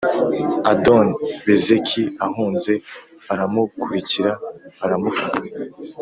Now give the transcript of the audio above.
adoni-bezeki ahunze baramukurikira baramufata,